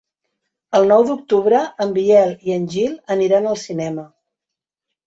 El nou d'octubre en Biel i en Gil aniran al cinema.